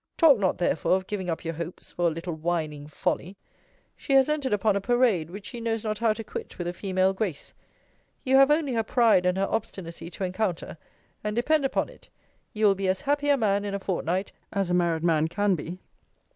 Talk not, therefore, of giving up your hopes, for a little whining folly. She has entered upon a parade, which she knows not how to quit with a female grace. You have only her pride and her obstinacy to encounter: and depend upon it, you will be as happy a man in a fortnight, as a married man can be.